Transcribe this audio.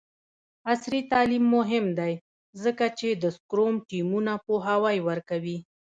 عصري تعلیم مهم دی ځکه چې د سکرم ټیمونو پوهاوی ورکوي.